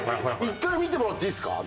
一回見てもらっていいですか？